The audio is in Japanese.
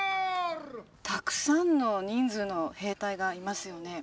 たくさんの人数の兵隊がいますよね